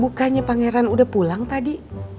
bukannya pangeran udah pulang tadi